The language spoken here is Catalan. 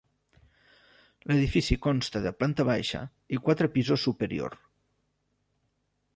L'edifici consta de planta baixa i quatre pisos superior.